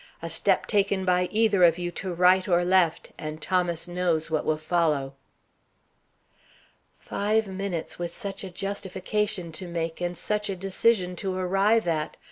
A step taken by either of you to right or left, and Thomas knows what will follow." Five minutes, with such a justification to make, and such a decision to arrive at!